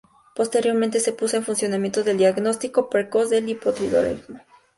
Posteriormente se puso en funcionamiento el Diagnóstico Precoz del Hipotiroidismo.